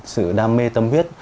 sự đam mê tâm huyết